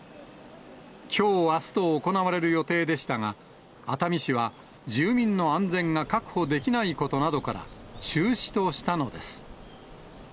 きょう、あすと行われる予定でしたが、熱海市は、住民の安全が確保できないことなどから、中止としたのです。